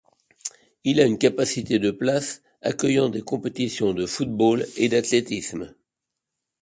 Il a une capacité de places, accueillant des compétitions de football et d'athlétisme.